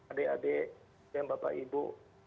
adik adik dan bapak ibu